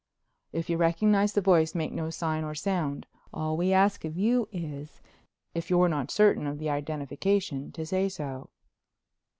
"If you recognize the voice make no sign or sound. All we ask of you is, if you're not certain of the identification, to say so."